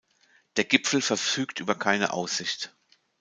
Der Gipfel verfügt über keine Aussicht.